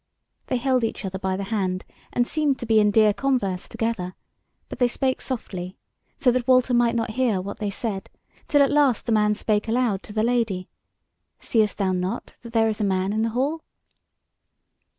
They held each other by the hand, and seemed to be in dear converse together; but they spake softly, so that Walter might not hear what they said, till at last the man spake aloud to the Lady: "Seest thou not that there is a man in the hall?"